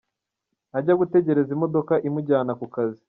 Ajya gutegereza imodoka imujyana ku kazi.